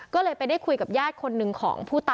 ก็เลยไปได้คุยกับญาติคนหนึ่งของผู้ตาย